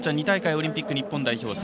２大会オリンピック日本代表